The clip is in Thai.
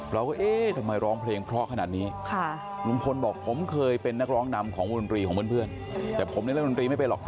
เราก็เอ๊ะทำไมร้องเพลงเลาะขนาดนี้ค่ะ